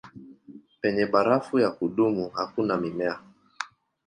Penye barafu ya kudumu hakuna mimea.